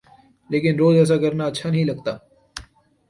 لیکن روز ایسا کرنا اچھا نہیں لگتا۔